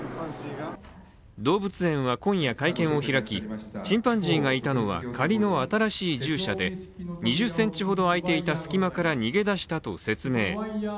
動物園は今夜会見を開きチンパンジーがいたのは仮の新しい獣舎で２０ｃｍほど空いていた隙間から逃げ出したと説明。